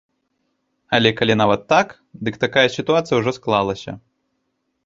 Але калі нават так, дык такая сітуацыя ўжо склалася.